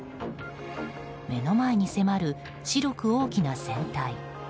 目の前に迫る白く大きな船体。